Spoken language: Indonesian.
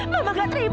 mama gak terima